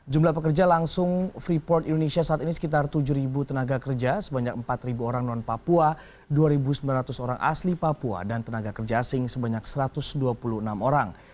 jumlah pekerja langsung freeport indonesia saat ini sekitar tujuh tenaga kerja sebanyak empat orang non papua dua sembilan ratus orang asli papua dan tenaga kerja asing sebanyak satu ratus dua puluh enam orang